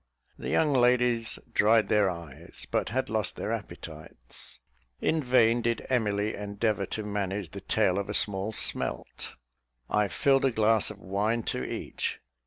The young ladies dried their eyes, but had lost their appetites; in vain did Emily endeavour to manage the tail of a small smelt. I filled a glass of wine to each.